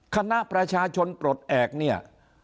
คณะประชาชนปลดแอบเนี่ย